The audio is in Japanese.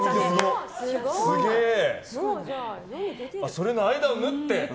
それの合間を縫って。